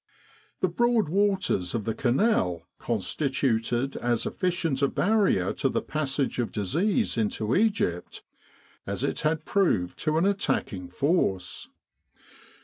The broad waters of the Canal constituted as efficient a barrier to the passage of disease into Egypt as it had proved to an attacking force.